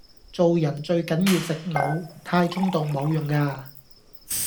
做人最緊要食腦，太衝動無用架